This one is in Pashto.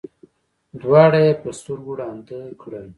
دواړه یې په سترګو ړانده کړل.